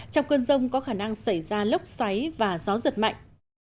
trong cơn rông có khả năng xảy ra lốc xoáy và gió giật mạnh